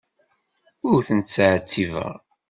Ur tent-ttɛettibeɣ.